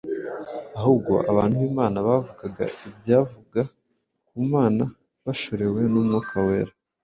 ahubwo abantu b’Imana bavugaga ibyavaga ku Mana bashorewe n’Umwuka Wera